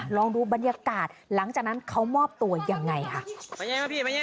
ลองดูบรรยากาศหลังจากนั้นเขามอบตัวยังไงค่ะ